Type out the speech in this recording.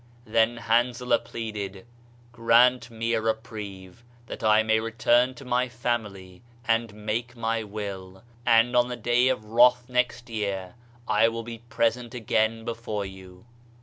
Then Hanzalah pleaded, "Grant me a reprieve that I may return to my family and make my will ; and on the day of wrath next year I will be present again before you."